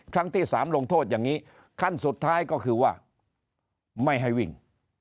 ครั้งที่๓ลงโทษอย่างนี้ขั้นสุดท้ายก็คือว่าไม่ให้วิ่ง